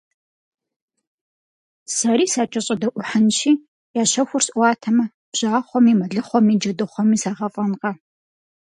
Сэри сакӀэщӀэдэӀухьынщи, я щэхур сӀуатэмэ, бжьахъуэми, мэлыхъуэми, джэдыхъуэми сагъэфӀэнкъэ!